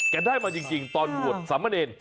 แกได้มาจริงตอนหวัดสามเมินเอน